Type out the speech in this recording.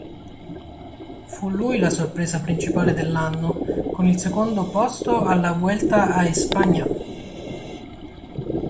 Fu lui la sorpresa principale dell'anno, con il secondo posto alla Vuelta a España.